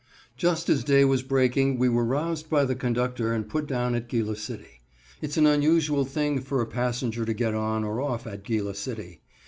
Just as day was breaking we were roused by the conductor and put down at Gila City. Its an unusual thing for a passenger to get on or off at Gila City.